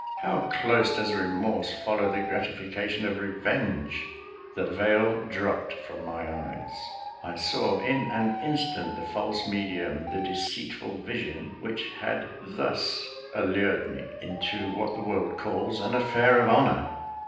how close does remorse follow the gratification of revenge! The veil dropped from my eyes; I saw in an instant the false medium, the deceitful vision which had thus allured me into what the world calls "an affair of honour."